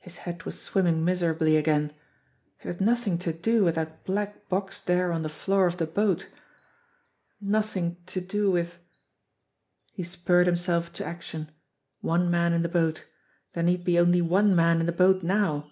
His head was swimming miserably again. It had nothing to do with that black box there on the floor of the boat. Nothing to do with He spurred himself to action. One man in the boat There need be only one man in the boat now!